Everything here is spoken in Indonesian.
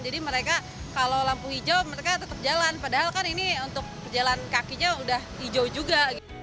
jadi mereka kalau lampu hijau mereka tetap jalan padahal kan ini untuk jalan kakinya udah hijau juga